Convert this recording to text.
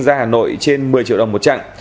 ra hà nội trên một mươi triệu đồng một chặng